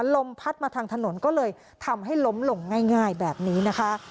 ลมพัดมาทางถนนก็เลยทำให้ล้มลงง่ายแบบนี้นะคะ